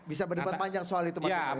bisa berdepan panjang soal itu mas eko